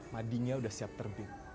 madinya udah siap terbit